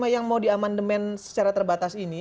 yang mau diamandemen secara terbatas ini